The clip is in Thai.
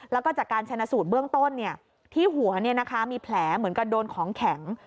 แล้วก็จากการใช้นสูตรเบื้องต้นเนี่ยที่หัวเนี่ยนะคะมีแผลเหมือนกับโดนของแข็ง